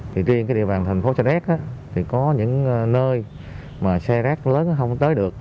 thì trên cái địa bàn thành phố sa đéc thì có những nơi mà xe rác lớn không tới được